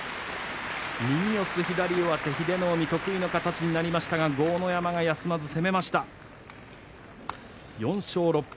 右四つ左上手英乃海得意の形になりましたが豪ノ山、休まず攻めました。